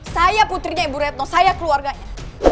saya putrinya ibu retno saya keluarganya